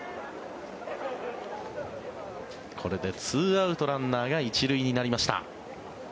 これで２アウトランナーが１塁になりました。